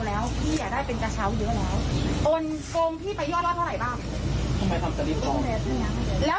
แล้วทำไมโกงคนอื่นเยอะจังเลย